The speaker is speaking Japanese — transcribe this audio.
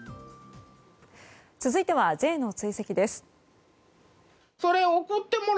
続いてはＪの追跡です。